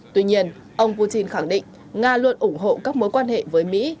tuy nhiên ông putin khẳng định nga luôn ủng hộ các mối quan hệ với mỹ